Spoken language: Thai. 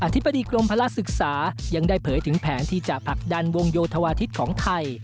ธิบดีกรมภาระศึกษายังได้เผยถึงแผนที่จะผลักดันวงโยธวาทิศของไทย